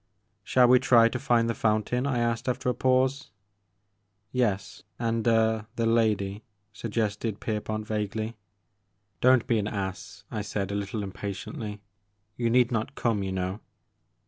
" Shall we try to find the fountain? " I asked after a pause. "Yes, — and — er — ^the lady," suggested Pier pont vaguely. The Maker of Moons. 39 "Don't bean ass," I said a little impatiently, " you need not come, you know."